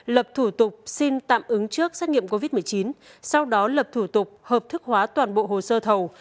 lập thủ tục xin tạm ứng trước xét nghiệm covid một mươi chín sau đó lập thủ tục hợp thức hóa toàn bộ hồ sơ thầu